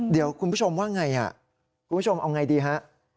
เดี๋ยวคุณผู้ชมว่าไงคุณผู้ชมเอาไงดีฮะ